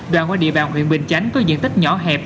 đoạn qua địa bàn huyện bình chánh có diện tích nhỏ hẹp